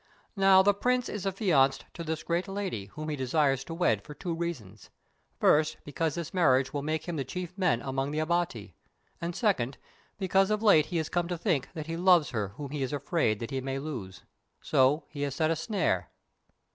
"Now, the Prince is affianced to this great lady, whom he desires to wed for two reasons: First, because this marriage will make him the chief man amongst the Abati, and, secondly, because of late he has come to think that he loves her whom he is afraid that he may lose. So he has set a snare."